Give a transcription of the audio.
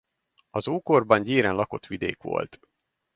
Az ókorban gyéren lakott vidék volt.